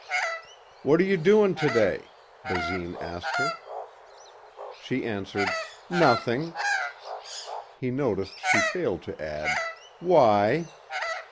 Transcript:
"What are you doing today?" Basine asked her. She answered, "Nothing." He noticed she failed to add, "Why?"